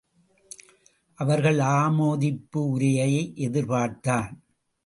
அவர்கள் ஆமோதிப்பு உரையை எதிர்பார்த்தான்.